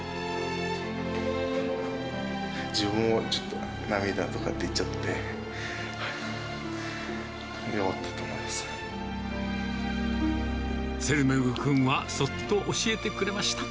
自分もちょっと涙とか出ちゃツェルメグ君は、そっと教えてくれました。